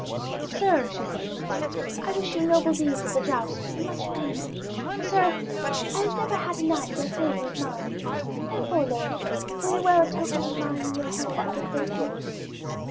'Sir,' she said, 'I wish you noble deeds at the jousts and much fame. Sir, I have never had a knight wear favour of mine. Therefore, lord, will you wear a token of mine in your helm for good fortune?'